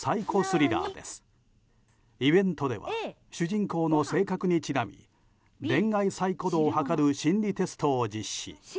イベントでは主人公の性格にちなみ恋愛サイコ度を測る心理テストを実施。